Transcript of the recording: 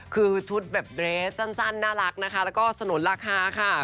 คือชุดแบบเรสสั้นน่ารักนะคะแล้วก็สนุนราคาค่ะ